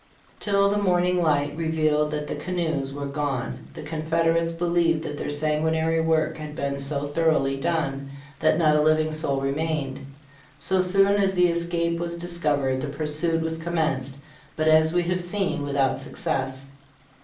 "Till the morning light revealed that the canoes were gone the confed erates believed that their sanguinary work had been so thoroughly done that not a living soul remained. So soon as the escape was discovered, the pur suit was commenced, but as we have seen, without success.